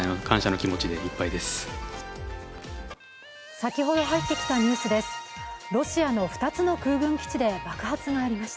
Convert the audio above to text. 先ほど入ってきたニュースです。